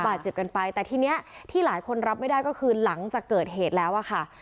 บาดเจ็บกันไปแต่ทีนี้ที่หลายคนรับไม่ได้ก็คือหลังจากเกิดเหตุแล้วอะค่ะ